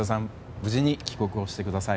無事に帰国をしてください。